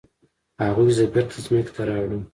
هغوی زه بیرته ځمکې ته راوړم.